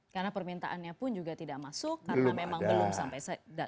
karena permintaannya pun juga tidak masuk karena memang belum sampai saatnya